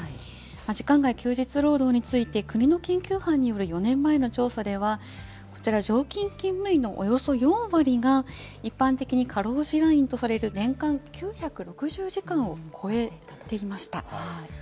時間外、休日労働について、国の研究班による４年前の調査では、こちら、常勤勤務医のおよそ４割が、一般的に過労死ラインとされる年間９６０時間を超えていました。